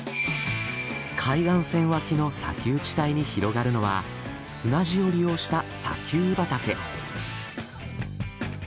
海岸線脇の砂丘地帯に広がるのは砂地を利用した砂丘畑。